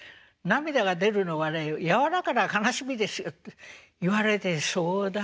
「波が出るのはねやわらかな悲しみですよ」って言われてそうだ。